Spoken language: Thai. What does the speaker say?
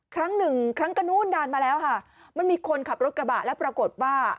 ครั้งหนึ่งครั้งก็นู้นนานมาแล้วค่ะมันมีคนขับรถกระบะแล้วปรากฏว่า